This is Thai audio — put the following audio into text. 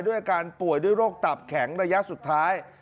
ด้วยการป่วยโรคตับแข็งระยะสุดท้าย